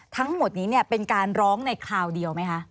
ทั้งหมดนี้เป็นการร้องในคราวเดียวไหมคะ